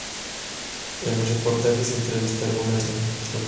En los reportajes se entrevista a alguna de estas personas.